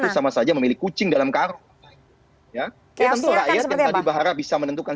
itu sama saja memilih kucing dalam karung ya tentu rakyat yang tadi bahara bisa menentukan